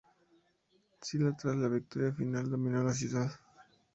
Sila tras la victoria final dominó la ciudad.